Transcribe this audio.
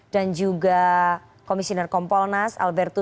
dan juga komisioner kompolnas alberto